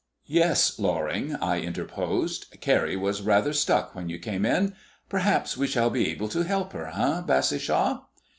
"Yes, Loring," I interposed, "Carrie was rather stuck when you came in. Perhaps we shall be able to help her, eh, Bassishaw?"